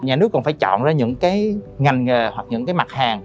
nhà nước còn phải chọn ra những cái ngành nghề hoặc những cái mặt hàng